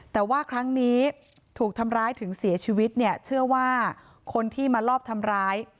แต่ว่าครั้งนี้ถูกทำร้ายถึงเสียชีวิตเนี่ยเชื่อว่าคนที่มาลอบทำร้าย